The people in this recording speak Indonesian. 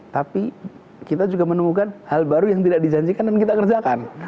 tapi kita juga menemukan hal baru yang tidak dijanjikan dan kita kerjakan